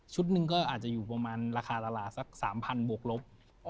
หนึ่งก็อาจจะอยู่ประมาณราคาละสัก๓๐๐บวกลบ